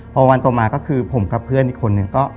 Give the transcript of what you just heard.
พอวันต่อมาก็คือผมกับเพื่อนอีกคนนึงก็